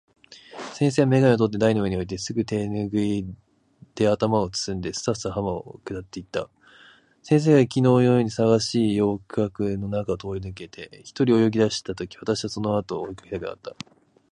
先生は眼鏡をとって台の上に置いて、すぐ手拭（てぬぐい）で頭を包んで、すたすた浜を下りて行った。先生が昨日（きのう）のように騒がしい浴客（よくかく）の中を通り抜けて、一人で泳ぎ出した時、私は急にその後（あと）が追い掛けたくなった。